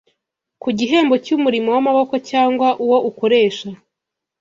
ku gihembo cy’umurimo w’amaboko cyangwa uwo ukoresha